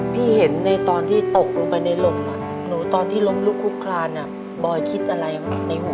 เห็นในตอนที่ตกลงไปในลมหนูตอนที่ล้มลุกคุกคลานบอยคิดอะไรวะในหัว